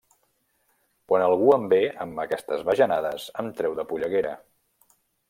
Quan algú em ve amb aquestes bajanades em treu de polleguera.